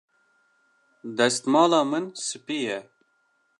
Destmala min spî ye.